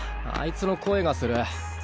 あいつの声がする。